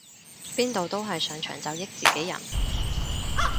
邊度都係上場就益自己人